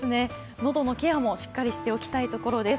喉のケアもしっかりしておきたいところです。